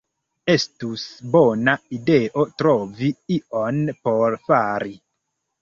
Estus bona ideo trovi ion por fari.